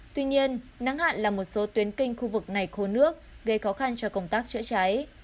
tuy nhiên nắng hạn làm một số tuyến kinh khu vực này khô nước gây khó khăn cho công tác chữa cháy